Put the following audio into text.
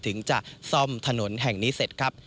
ถึงจะซ่อมถนนแห่งนี้เสร็จครับ